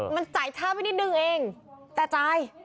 มันจ่ายค่าไปนิดนึงเองแต่จ่าย